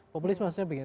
populis maksudnya begini